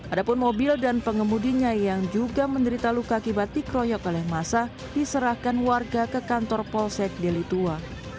ada pun mobil dan pengemudinya yang juga menderita luka akibat dikroyok oleh masa diserahkan warga ke kantor polsek delitua